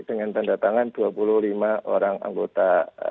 dengan tanda tangan dua puluh lima orang anggota